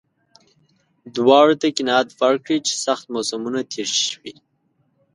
دواړو ته قناعت ورکړي چې سخت موسمونه تېر شوي.